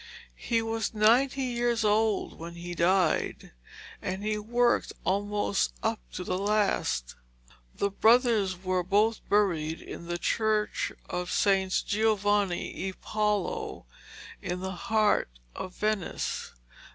He was ninety years old when he died, and he worked almost up to the last. The brothers were both buried in the church of SS. Giovanni e Paolo, in the heart of Venice.